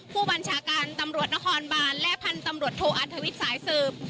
ผู้บัญชาการตำรวจนครบานและพันธุ์ตำรวจโทอันทวิทย์สายสืบ